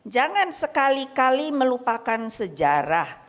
jangan sekali kali melupakan sejarah